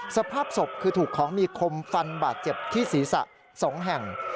สภาพศพคือถูกของมีคมฟันบาดเจ็บที่ศีรษะ๒แห่ง